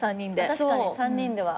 確かに３人では。